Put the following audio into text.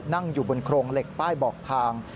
นั่งอยู่บนโครงเหล็กป้ายบอกทาง